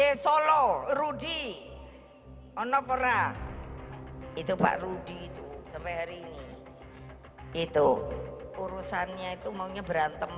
hai dpc solo rudy onopora itu pak rudy itu sampai hari ini itu urusannya itu maunya berantem